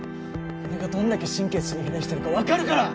俺がどんだけ神経すり減らしてるか分かるから！